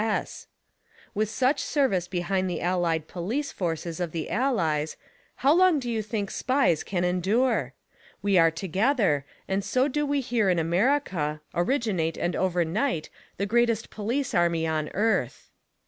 S. S. S. With such service behind the Allied police forces of the Allies, how long do you think Spies can endure? We are togetlier, and so do we here in America, originate and over night the greatest police army on earth.